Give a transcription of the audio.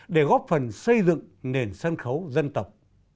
để góp phần xây dựng nền sân khấu dân tộc